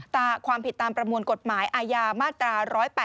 ความผิดตามประมวลกฎหมายอาญามาตรา๑๘